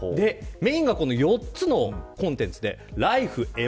メインが４つのコンテンツです。